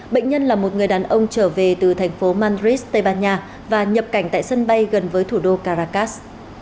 bệnh nhân là một người đàn ông trở về từ thành phố madrid tây ban nha và nhập cảnh tại sân bay gần với thủ đô caracas